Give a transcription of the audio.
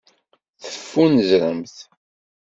Teffunzremt.